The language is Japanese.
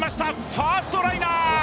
ファーストライナー